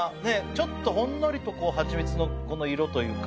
ちょっとほんのりとハチミツの色というか。